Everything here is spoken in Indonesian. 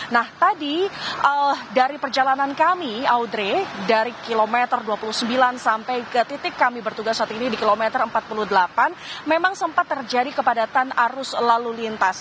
nah tadi dari perjalanan kami audre dari kilometer dua puluh sembilan sampai ke titik kami bertugas saat ini di kilometer empat puluh delapan memang sempat terjadi kepadatan arus lalu lintas